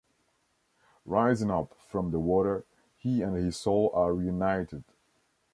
Rising up from the water, he and his Soul are reunited.